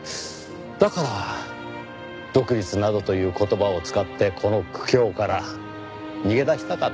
だから「独立」などという言葉を使ってこの苦境から逃げ出したかった。